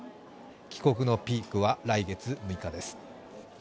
帰国のピークは来月６日です。